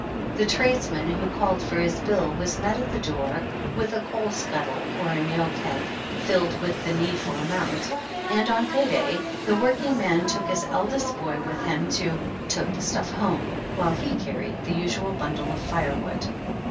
The tradesman who called for his bill was met at the door with a coal scuttle or a nail keg filled with the needful amount, and on pay day, the working man took his eldest boy with him to tote the stuff home " while he carried the usual bundle of firewood.